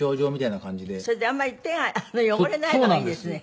それであんまり手が汚れないのがいいですね。